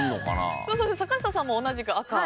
坂下さんも同じく赤。